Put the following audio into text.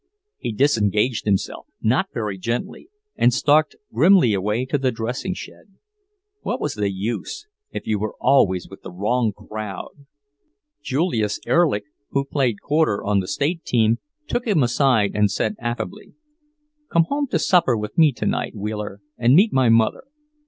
He disengaged himself, not very gently, and stalked grimly away to the dressing shed.... What was the use, if you were always with the wrong crowd? Julius Erlich, who played quarter on the State team, took him aside and said affably: "Come home to supper with me tonight, Wheeler, and meet my mother.